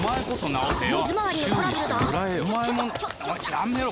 やめろ！